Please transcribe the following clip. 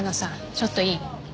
ちょっといい？